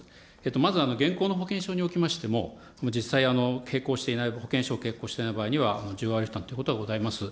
まず、現行の保険証におきましても、実際、携行していない、保険証を携行していない場合は１０割負担ということはございます。